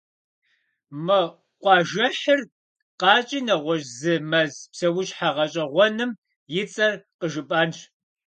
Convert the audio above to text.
Мы къуажэхьыр къащӀи нэгъуэщӀ зы мэз псэущхьэ гъэщӀэгъуэным и цӀэр къыжыпӀэнщ.